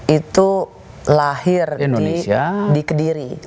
itu lahir di kediri